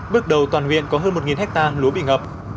bước đầu toàn viện có hơn một ha lúa bị ngập